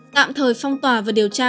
tạm thời phong tỏa và điều tra